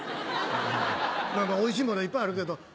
まぁまぁおいしいものはいっぱいあるけど。